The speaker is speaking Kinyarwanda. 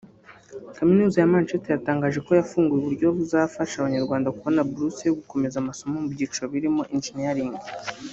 Kaminuza ya Manchester yatangaje ko yafunguye uburyo buzafasha Abanyarwanda kubona buruse yo gukomeza amasomo mu byiciro birimo Engineering